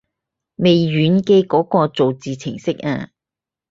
微軟嘅嗰個造字程式啊